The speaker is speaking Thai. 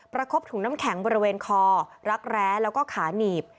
คบถุงน้ำแข็งบริเวณคอรักแร้แล้วก็ขาหนีบ